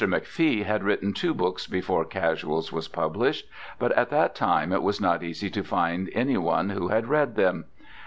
McFee had written two books before "Casuals" was published, but at that time it was not easy to find any one who had read them.